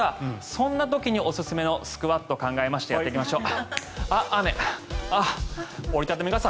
そんな時におすすめのスクワットを考えましたやっていきましょう。